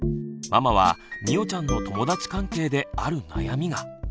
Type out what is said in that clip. ママはみおちゃんの友だち関係である悩みが。